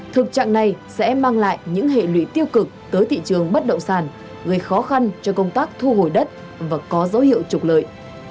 thực trạng này sẽ mang lại những hệ lụy tiêu cực tới thị trường bất động sản gây khó khăn cho công tác thu hồi đất và có dấu hiệu trục lợi